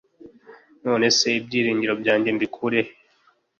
none se ibyiringiro byanjye mbikurehe